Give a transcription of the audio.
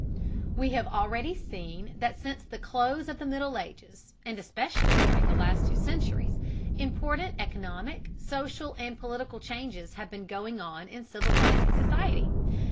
We have already seen that since the close of the Middle Ages, and especially during the last two centuries, important economic, social, and political changes have been going on in civilized society.